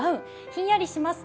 ひんやりします。